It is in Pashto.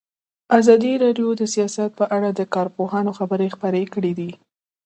ازادي راډیو د سیاست په اړه د کارپوهانو خبرې خپرې کړي.